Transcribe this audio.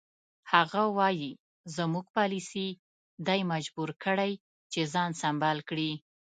هغه وایي زموږ پالیسي دی مجبور کړی چې ځان سمبال کړي.